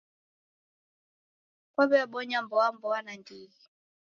Kwaw'iabonya mboamboa nandighi.